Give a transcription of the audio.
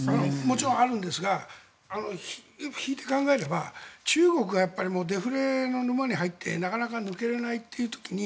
もちろんあるんですが引いて考えれば中国がデフレの沼に入ってなかなか抜けれないという時に